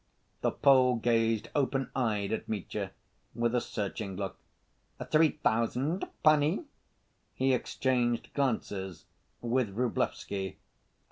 The Pole gazed open‐eyed at Mitya, with a searching look. "Three thousand, panie?" He exchanged glances with Vrublevsky.